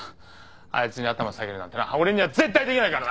あいつに頭下げるなんてな俺には絶対できないからな！